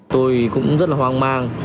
tôi cũng rất là hoang mang